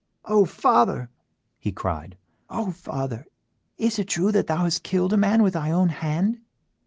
"Oh, father!" he cried, "oh, father! Is it true that thou hast killed a man with thy own hand?"